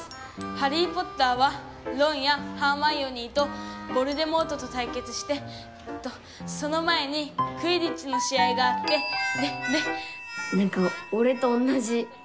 『ハリー・ポッター』はロンやハーマイオニーとヴォルデモートとたいけつしてえっとその前にクィディッチの試合があってでで」。